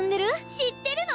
知ってるの？